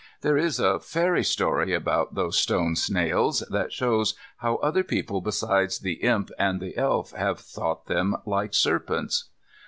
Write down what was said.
There is a fairy story about those stone snails that shows how other people beside the Imp and the Elf have thought them like serpents.